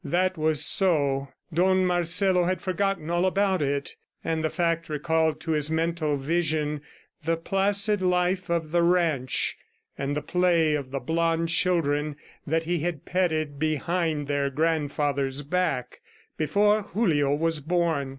That was so Don Marcelo had forgotten all about it; and the fact recalled to his mental vision the placid life of the ranch, and the play of the blonde children that he had petted behind their grandfather's back, before Julio was born.